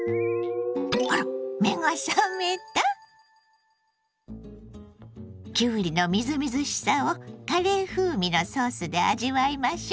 あら目が覚めた⁉きゅうりのみずみずしさをカレー風味のソースで味わいましょ。